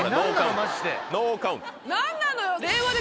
何なのよ。